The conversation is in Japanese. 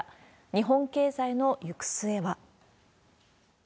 日本経済の行く末は。